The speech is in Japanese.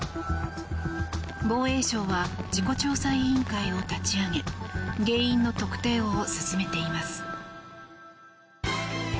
防衛省は事故調査委員会を立ち上げ原因の特定を進めています。